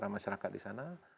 masyarakat di sana